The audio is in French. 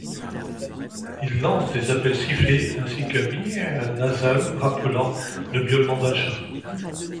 Il lance des appels sifflés ainsi qu’un meeyaaah nasal rappelant le miaulement d’un chat.